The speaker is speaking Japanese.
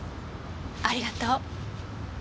ありがとう。